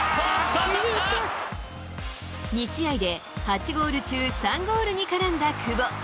２試合で８ゴール中、３ゴールに絡んだ久保。